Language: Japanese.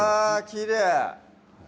きれい！